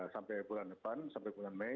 sampai bulan depan sampai bulan mei